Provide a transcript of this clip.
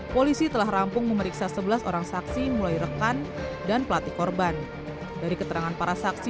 polisi telah rampung memeriksa sebelas orang saksi mulai rekan dan pelatih korban dari keterangan para saksi